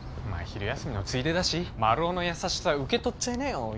まあ昼休みのついでだしマルオの優しさ受け取っちゃいなよ。